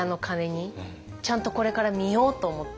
ちゃんとこれから見ようと思って。